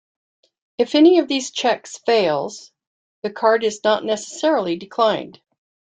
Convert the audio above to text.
If any of these checks fails, the card is not necessarily declined.